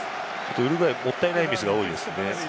ウルグアイ、もったいないミスが多いですね。